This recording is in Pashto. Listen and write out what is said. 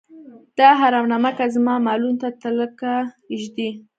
دا حرام نمکه زما مالونو ته تلکه ږدي.